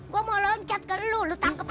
gue mau loncat ke lu lu tangkep